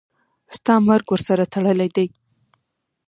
ستا مرګ ورسره تړلی دی.